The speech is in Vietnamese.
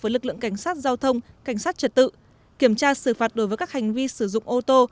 với lực lượng cảnh sát giao thông cảnh sát trật tự kiểm tra xử phạt đối với các hành vi sử dụng ô tô